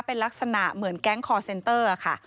เป็นลักษณะเหมือนแก๊งคอร์เซนเตอร์ค่ะ